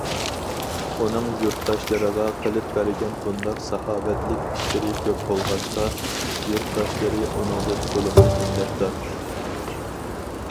ئۇنىڭ يۇرتداشلىرىغا قىلىپ بەرگەن بۇنداق ساخاۋەتلىك ئىشلىرى كۆپ بولغاچقا، يۇرتداشلىرى ئۇنىڭدىن تولىمۇ مىننەتدار.